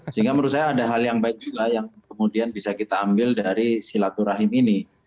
sehingga menurut saya ada hal yang baik juga yang kemudian bisa kita ambil dari silaturahim ini